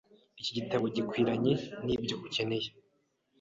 Iki gitabo gikwiranye nibyo ukeneye.